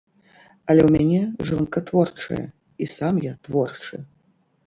Але ў мяне жонка творчая, і сам я творчы.